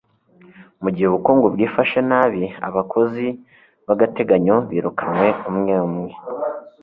Mugihe ubukungu bwifashe nabi, abakozi b'agateganyo birukanwe umwe umwe.